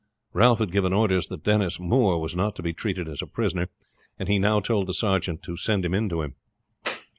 Ralph had given orders that Denis Moore was not to be treated as a prisoner; and he now told the sergeant to send him in to him.